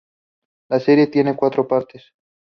La serie tiene cuatro partes.